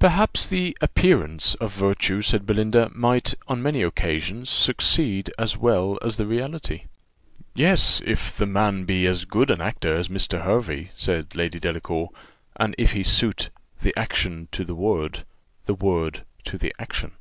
"Perhaps the appearance of virtue," said Belinda, "might, on many occasions, succeed as well as the reality." "Yes, if the man be as good an actor as Mr. Hervey," said, Lady Delacour, "and if he suit 'the action to the word' 'the word to the action.